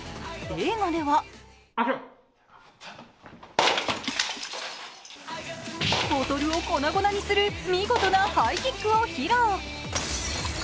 映画ではボトルを粉々にする見事なハイキックを披露。